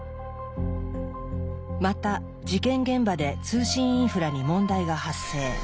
また事件現場で通信インフラに問題が発生。